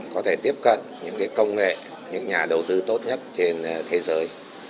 có thể tiếp cận những công nghệ những nhà đầu tư tốt nhất trên thế giới